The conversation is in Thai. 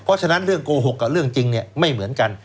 เพราะฉะนั้นเรื่องโกหกกับเรื่องจริงไม่เหมือนกัน